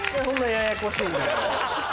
ややこしいんだよ。